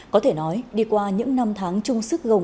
có thể nói đi qua những năm tháng chung sức gồng